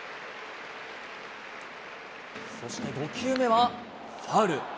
そして５球目は、ファウル。